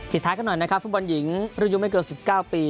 ท้ายกันหน่อยนะครับฟุตบอลหญิงรุ่นอายุไม่เกิน๑๙ปี